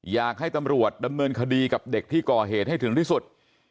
อยากให้ตำรวจดำเนินคดีกับเด็กที่ก่อเหตุให้ถึงที่สุด